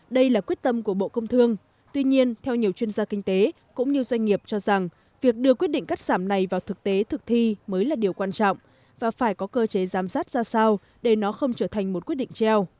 đây là quyết tâm của bộ công thương tuy nhiên theo nhiều chuyên gia kinh tế cũng như doanh nghiệp cho rằng việc đưa quyết định cắt giảm này vào thực tế thực thi mới là điều quan trọng và phải có cơ chế giám sát ra sao để nó không trở thành một quyết định treo